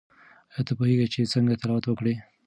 آیا ته پوهیږې چې څنګه تلاوت وکړې؟